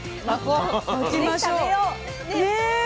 巻きましょう。